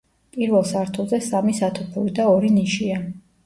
პირველ სართულზე სამი სათოფური და ორი ნიშია.